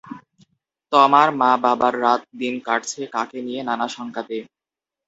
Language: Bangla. তমার মা বাবার রাত দিন কাটছে কাকে নিয়ে নানা শংকাতে?